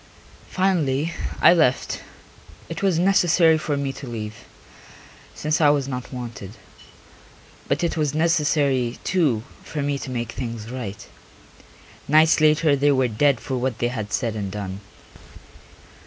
Finally I left; it was necessary for me to leave, since I was not wanted. But it was necessary, too, for me to make things right. Nights later they were dead for what they had said and done.